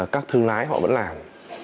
các thương lái họ vẫn làm